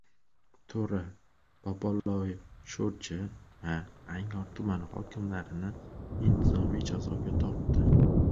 To‘ra Bobolov Sho‘rchi va Angor tumani hokimlarini intizomiy jazoga tortdi